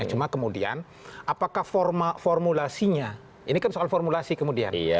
cuma kemudian apakah formulasinya ini kan soal formulasi kemudian